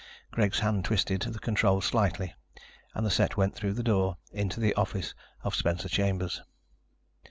Greg's hand twisted the control slightly and the set went through the door, into the office of Spencer Chambers.